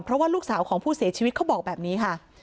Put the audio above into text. เพราะว่าลูกสาวของผู้เสียชีวิตเขาบอกแบบนี้ค่ะ